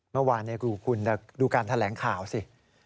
เมื่อวานคุณดูการแถลงข่าวสิ